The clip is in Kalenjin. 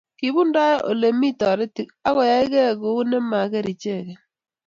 kibundoe ole mi toretiik ak koyaikei kou nemageer icheket